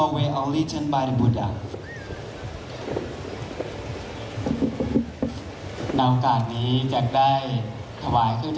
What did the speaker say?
ถือว่าชีวิตที่ผ่านมายังมีความเสียหายแก่ตนและผู้อื่น